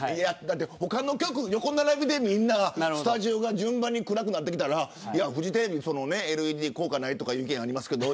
他の局、横並びでみんながスタジオが順番に暗くなってきたたらフジテレビ、ＬＥＤが効果ないという意見ありますけど。